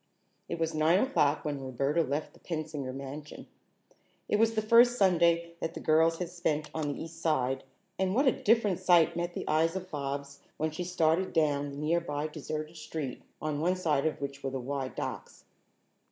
It was nine o'clock when Roberta left the Pensinger mansion. It was the first Sunday that the girls had spent on the East Side, and what a different sight met the eyes of Bobs when she started down the nearly deserted street, on one side of which were the wide docks.